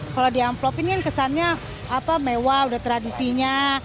kalau di amplop ini kan kesannya mewah udah tradisinya